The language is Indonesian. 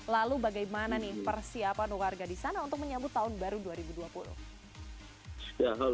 lalu bagaimana nih persiapan warga di sana untuk menyambut tahun baru dua ribu dua puluh